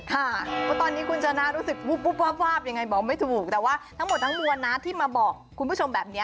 เพราะตอนนี้คุณชนะรู้สึกวุบวาบยังไงบอกไม่ถูกแต่ว่าทั้งหมดทั้งมวลนะที่มาบอกคุณผู้ชมแบบนี้